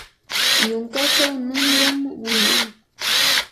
yunkachaw nunyam winan.